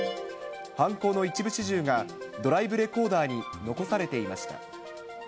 犯行の一部始終がドライブレコーダーに残されていました。